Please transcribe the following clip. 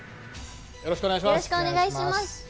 よろしくお願いします。